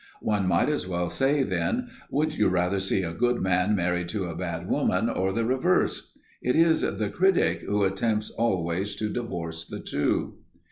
One might as well say, then, "Would you rather see a good man married to a bad woman or the reverse?" It is the critic who attempts always to divorce the two.